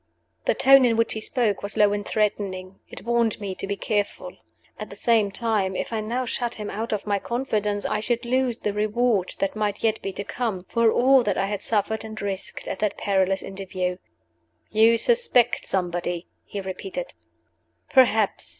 The tone in which he spoke was low and threatening; it warned me to be careful. At the same time, if I now shut him out of my confidence, I should lose the reward that might yet be to come, for all that I had suffered and risked at that perilous interview. "You suspect somebody," he repeated. "Perhaps!"